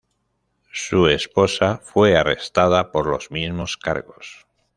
Su esposa fue arrestada por los mismos cargos.